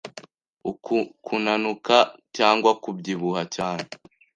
Uku kunanuka cyangwa kubyibuha cyane